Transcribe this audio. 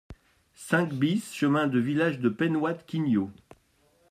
cinq BIS chemin du Village de Penhoat-Quinio